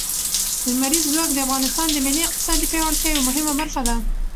لمریز ځواک د افغانستان د ملي اقتصاد د پیاوړتیا یوه مهمه برخه ده.